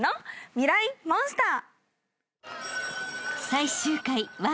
ミライ☆モンスター。